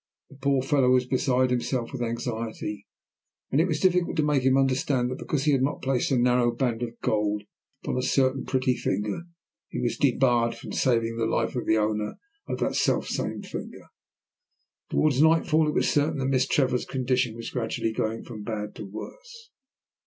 The poor fellow was beside himself with anxiety, and it was difficult to make him understand that, because he had not placed a narrow band of gold upon a certain pretty finger, he was debarred from saving the life of the owner of that self same finger. Towards nightfall it was certain that Miss Trevor's condition was gradually going from bad to worse.